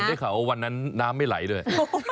แต่วันนั้นน้ำไม่ไหลด้วย